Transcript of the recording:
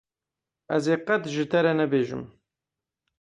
Ez ê qet ji te re nebêjim.